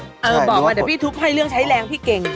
อ่อบอกมาแต่พี่ทุบให้เรื่องใช้แรงพี่เก่ง